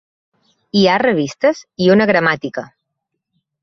Hi ha revistes i una gramàtica.